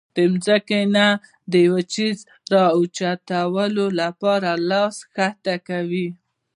د زمکې نه د يو څيز را اوچتولو د پاره لاس ښکته کوي